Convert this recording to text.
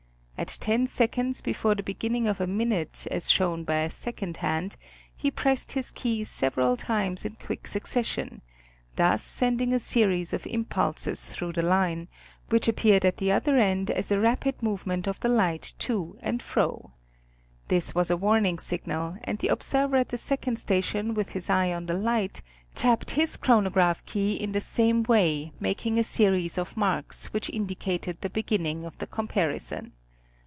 At ten seconds before the beginning of a minute as shown by the second hand, he pressed his key several 12 National Geographic Magazme. times in quick succession, thus sending a series of impulses through the line, which appeared at the other end as a rapid movement of the light to and fro. This was a warning signal, and the observer at the second station with his eye on the light, tapped his chronograph key in the same way making a series of marks, which indicated the beginning of the comparison.